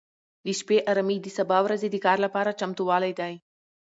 د شپې ارامي د سبا ورځې د کار لپاره چمتووالی دی.